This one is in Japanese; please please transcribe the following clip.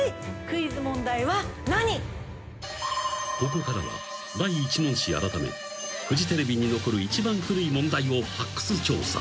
［ここからは第１問史あらためフジテレビに残る一番古い問題を発掘調査］